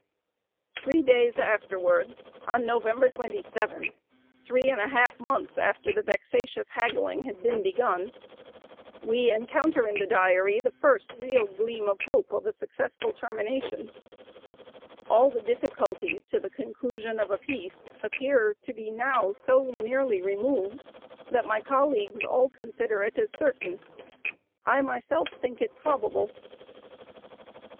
Three days afterwards, on November 27, three and a half months after the vexatious haggling had been begun, we encounter in the Diary the first real gleam of hope of a successful termination: "All the difficulties to the conclusion of a peace appear to be now so nearly removed, that my colleagues all (p. 088) consider it as certain. I myself think it probable."